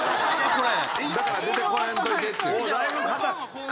これ。